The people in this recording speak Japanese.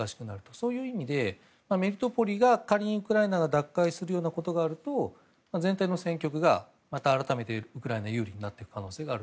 そういう意味でメリトポリが仮にウクライナが奪回するようなことがあると全体の戦局が改めて、ウクライナ有利になっていく可能性がある。